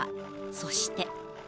そして。